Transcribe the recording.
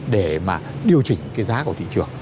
để mà điều chỉnh cái giá của thị trường